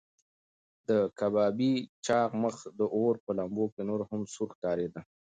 د کبابي چاغ مخ د اور په لمبو کې نور هم سور ښکارېده.